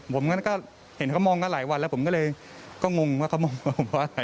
ผมก็เห็นเขามองกันหลายวันแล้วผมก็เลยก็งงว่าเขามองว่าผมว่าอะไร